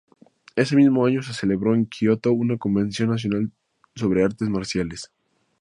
Ese mismo año se celebró en Kyoto una convención nacional sobre artes marciales.